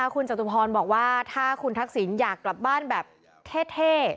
คุณจตุพรบอกว่าถ้าคุณทักษิณอยากกลับบ้านแบบเท่